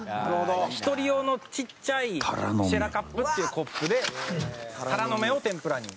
「一人用のちっちゃいシェラカップっていうコップでタラの芽を天ぷらに」